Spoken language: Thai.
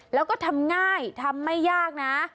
แล้วก็ทำง่ายทำไม่ยากนะ